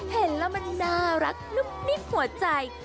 เห็นแล้วมันน่ารักนุ่มนิดหัวใจ